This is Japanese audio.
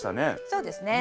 そうですね。